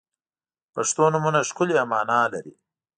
• پښتو نومونه ښکلی معنا لري.